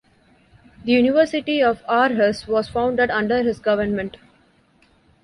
The University of Aarhus was founded under his government.